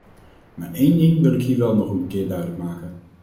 Maar één ding wil ik hier wel nog een keer duidelijk maken.